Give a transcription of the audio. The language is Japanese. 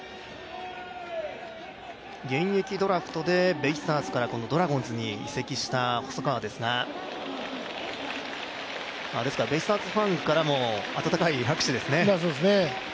現役ドラフトでベイスターズからドラゴンズに移籍した細川ですがですからベイスターズファンからも温かい拍手ですね。